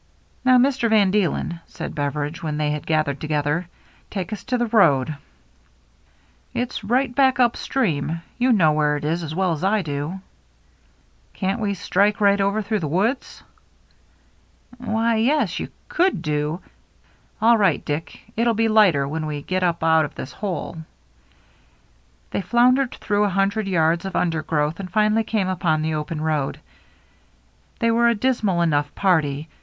" Now, Mister van Deelen," said Beveridge, when they had gathered together, " take us to the road." " It's right back up stream. You know where it is as well as I do." 354 THE MERRY ANNE "Can't wc strike right over through the woods ?"Why, yes, you could do —"" All right. Diet It'll be lighter when we get up out of this hole." They floundered through a hundred yards of undergrowth and finally came upon the open road. They were a dismal enough party.